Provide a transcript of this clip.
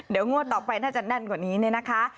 เดี๋ยวงวดต่อไปน่าจะแน่นกว่านี้เนี่ยนะคะ